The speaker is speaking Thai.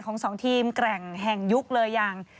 ของสองทีมแกร่งแห่งยุคเลยอย่าง